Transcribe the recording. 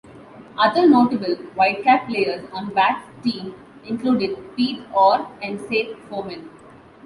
Other notable Whitecap players on Backe's team included Pete Orr and Seth Foreman.